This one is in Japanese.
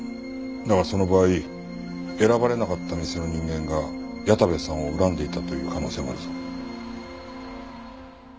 だがその場合選ばれなかった店の人間が矢田部さんを恨んでいたという可能性もあるぞ。